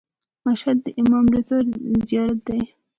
مشهد د امام رضا زیارت دی.